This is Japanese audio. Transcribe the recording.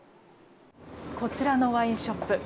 こちらのワインショップ